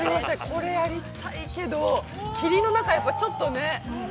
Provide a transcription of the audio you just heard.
これやりたいけど、霧の中、ちょっとね。